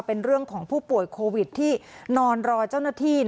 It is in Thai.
เป็นเรื่องของผู้ป่วยโควิดที่นอนรอเจ้าหน้าที่